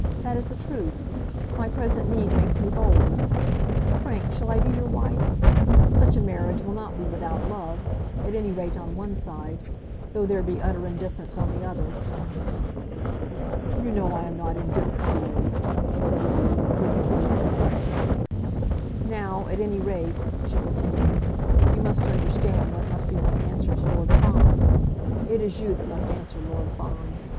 That is the truth. My present need makes me bold. Frank, shall I be your wife? Such a marriage will not be without love, at any rate on one side, though there be utter indifference on the other!" "You know I am not indifferent to you," said he, with wicked weakness. "Now, at any rate," she continued, "you must understand what must be my answer to Lord Fawn. It is you that must answer Lord Fawn.